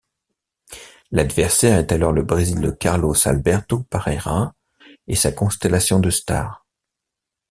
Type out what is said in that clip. L'adversaire est alors le Brésil de Carlos Alberto Parreira et sa constellation de stars.